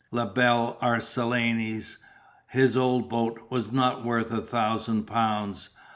La Belle Arlesienne, his old boat, was not worth a thousand pounds.